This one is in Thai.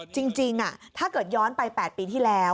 จริงถ้าเกิดย้อนไป๘ปีที่แล้ว